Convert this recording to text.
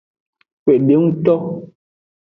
Kpedengto.